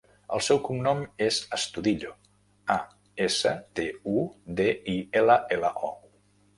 El seu cognom és Astudillo: a, essa, te, u, de, i, ela, ela, o.